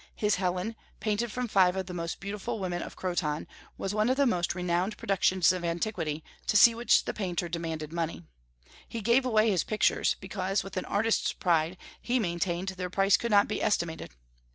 His Helen, painted from five of the most beautiful women of Croton, was one of the most renowned productions of antiquity, to see which the painter demanded money. He gave away his pictures, because, with an artist's pride, he maintained that their price could not be estimated.